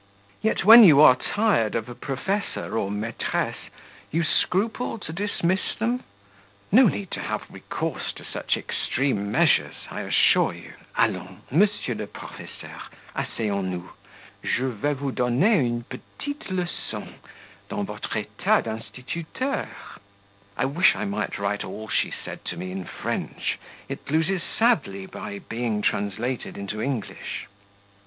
"Yet when you are tired of a professor or maitresse, you scruple to dismiss them?" "No need to have recourse to such extreme measures, I assure you. Allons, monsieur le professeur asseyons nous; je vais vous donner une petite lecon dans votre etat d'instituteur." (I wish I might write all she said to me in French it loses sadly by being translated into English.)